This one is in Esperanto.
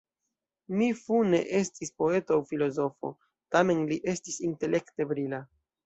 Mi Fu ne estis poeto aŭ filozofo, tamen li estis intelekte brila.